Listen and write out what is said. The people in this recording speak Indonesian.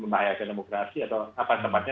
membahayakan demokrasi atau apa tempatnya